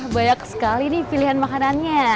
banyak sekali nih pilihan makanannya